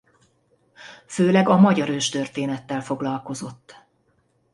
Főleg a magyar őstörténettel foglalkozott.